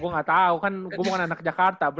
gue gak tau kan gue bukan anak jakarta bro